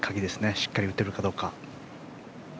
しっかり打てるかどうか。